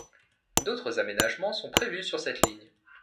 D'autres aménagement sont prévus sur cette ligne.